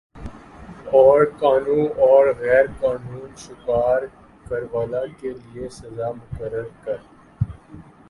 اورقانو اور غیر قانون شکار کر والہ کے ل سزا مقرر کر